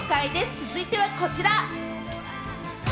続いてはこちら。